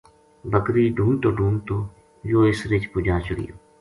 بکری ڈُھونڈتو ڈُھونڈتو یوہ اس رِچھ پو جا چَڑہیو